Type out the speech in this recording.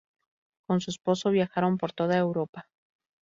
Con su esposo viajaron por toda Europa.